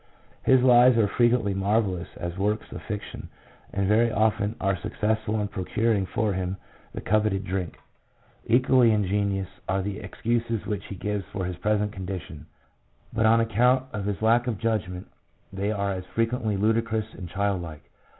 His lies are frequently marvellous as works of fiction, and very often are successful in procuring for him the coveted drink. Equally ingenious are the excuses which he gives for his present condition, but on account of his 88 PSYCHOLOGY OF ALCOHOLISM. lack of judgment they are as frequently ludicrous and child like.